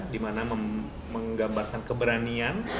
di mana menggambarkan keberanian